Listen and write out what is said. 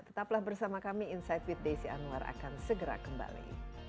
tetaplah bersama kami insight with desi anwar akan segera kembali